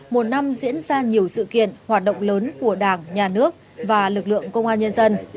một năm diễn ra nhiều sự kiện hoạt động lớn của đảng nhà nước và lực lượng công an nhân dân